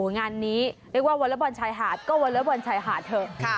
งานนี้เรียกว่าวอเลอร์บอลชายหาดก็วอเลอร์บอลชายหาดเถอะ